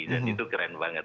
dan itu keren banget